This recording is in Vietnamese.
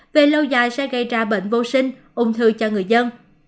về lâu dài sẽ gây ra bệnh vô sinh ung thư cho người dân